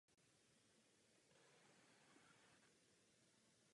Profesionální desky jsou velmi precizní a přesné.